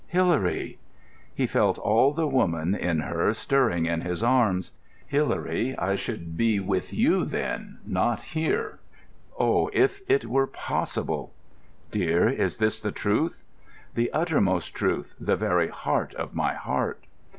"Hilary!" He felt all the woman in her stirring in his arms. "Hilary, I should be with you then, not here. Oh, if it were possible!" "Dear, is this the truth?" "The uttermost truth, the very heart of my heart."